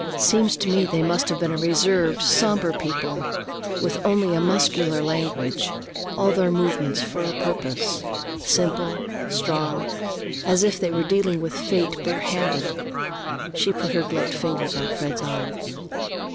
Seems to me they must have been a reserved, somber people, with only a muscular language, all their movements for a purpose; simple, strong, as if they were dealing with fate bare handed." She put her gloved fingers on Fred's arm.